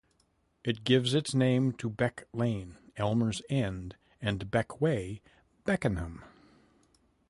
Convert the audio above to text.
It gives its name to Beck Lane, Elmers End and Beck Way, Beckenham.